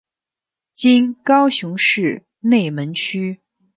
今高雄市内门区。